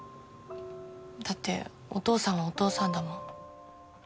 だってお父さんはお父さんだもん。